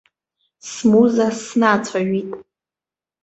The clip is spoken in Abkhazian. Смуза снацәажәеит.